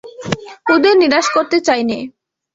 ওদের নিরাশ করতে চাই নে।